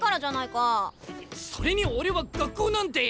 それに俺は学校なんて。